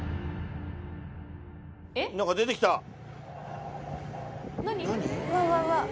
何か出てきた。